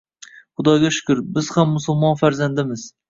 Xudoga shukur, biz ham musulmon farzandimiz.